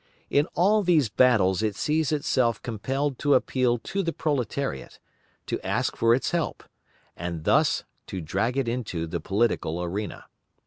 In all these battles it sees itself compelled to appeal to the proletariat, to ask for its help, and thus, to drag it into the political arena.